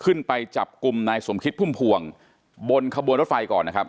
ขึ้นไปจับกลุ่มนายสมคิดพุ่มพวงบนขบวนรถไฟก่อนนะครับ